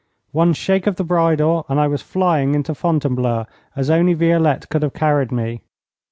One shake of the bridle, and I was flying into Fontainebleau as only Violette could have carried me.